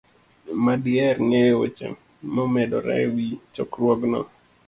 ma diher ng'eyo weche momedore e wi chokruogno.